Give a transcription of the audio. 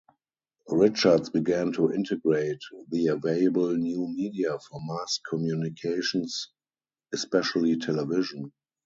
Richards began to integrate the available new media for mass communications, especially television.